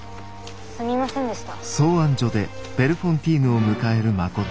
すみませんでした。